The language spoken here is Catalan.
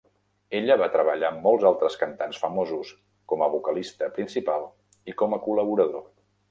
Ella va treballar amb molts altres cantants famosos, com a vocalista principal i com a col·laborador.